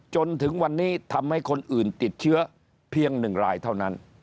จนถึงวันนี้ทำให้คนอื่นติดเชื้อเพียง๑รายเท่านั้น